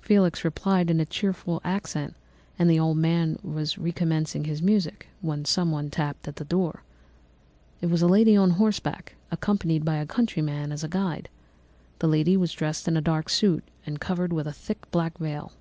Felix replied in a cheerful accent, and the old man was recommencing his music when someone tapped at the door. "It was a lady on horseback, accompanied by a country man as a guide. The lady was dressed in a dark suit and covered with a thick black veil.